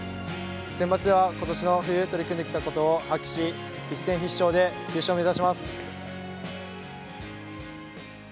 センバツでは今年の冬取り組んできたことを発揮し一戦必勝で優勝目指します。